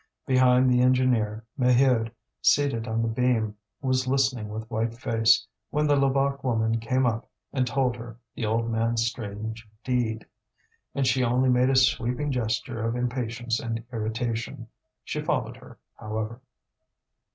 Behind the engineer, Maheude, seated on the beam, was listening with white face, when the Levaque woman came up and told her the old man's strange deed. And she only made a sweeping gesture of impatience and irritation. She followed her, however.